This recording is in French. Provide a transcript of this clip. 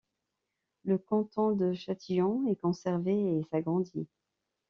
Le canton de Châtillon est conservé et s'agrandit.